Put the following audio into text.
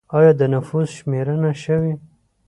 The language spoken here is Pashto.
آیا د نفوس شمېرنه شوې؟